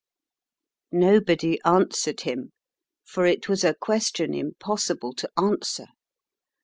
Nobody answered him, for it was a question im possible to answer.